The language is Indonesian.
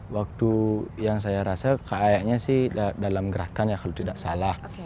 waktu yang saya rasa kayaknya sih dalam gerakan ya kalau tidak salah